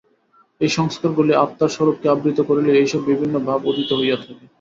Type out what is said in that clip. এই সংস্কারগুলি আত্মার স্বরূপকে আবৃত করিলেই এইসব বিভিন্ন ভাব উদিত হইয়া থাকে।